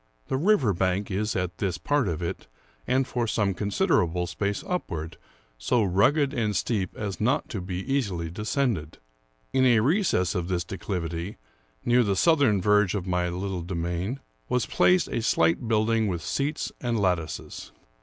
The river bank is, at this part of it and for some considerable space upward, so rugged and steep as not to be easily descended. In a recess of this declivity, near the southern verge of my little demesne, was placed a slight building, with seats and lattices.